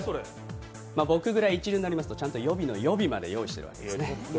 僕ぐらい一流になりますと予備の予備まで用意しているんですね。